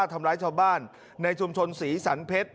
ทำร้ายชาวบ้านในชุมชนศรีสรรเพชร